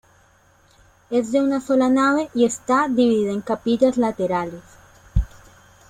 Es de una sola nave y está dividida en capillas laterales.